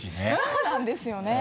そうなんですよね。